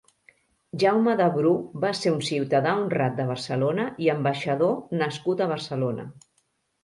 Jaume de Bru va ser un «Ciutadà honrat de Barcelona i ambaixador» nascut a Barcelona.